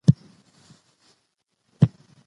لږ وخت وروسته د خپل کور اړتياوي نسي پوره کولای